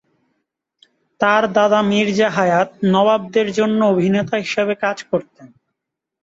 তার দাদা মির্জা হায়াৎ নবাবদের জন্য অভিনেতা হিসাবে কাজ করতেন।